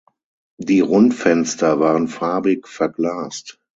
Die Rundfenster waren farbig verglast.